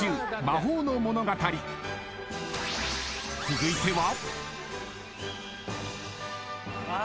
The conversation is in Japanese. ［続いては］